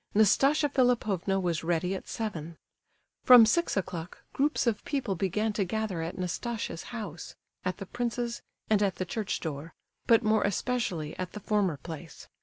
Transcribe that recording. Nastasia Philipovna was ready at seven. From six o'clock groups of people began to gather at Nastasia's house, at the prince's, and at the church door, but more especially at the former place.